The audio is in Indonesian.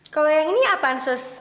kalau yang ini apaan sus